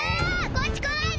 こっちこないで！